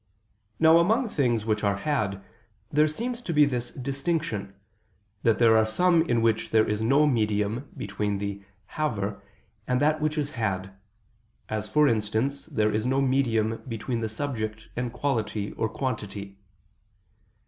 Now among things which are had, there seems to be this distinction, that there are some in which there is no medium between the "haver" and that which is had: as, for instance, there is no medium between the subject and quality or quantity.